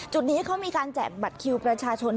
จุดนี้เขามีการแจกบัตรคิวประชาชน